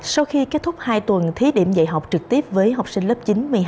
sau khi kết thúc hai tuần thí điểm dạy học trực tiếp với học sinh lớp chín một mươi hai